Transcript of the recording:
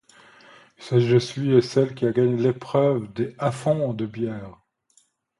Il s'agit de celui et celle qui a gagné l'épreuve des à-fond de bière.